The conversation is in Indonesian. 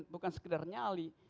bukan sekedar nyali